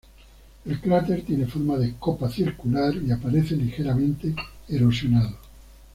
El cráter tiene forma de copa circular, y aparece ligeramente erosionado.